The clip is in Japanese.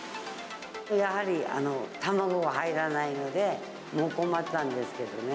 やはり卵が入らないので、もう困ったんですけどね。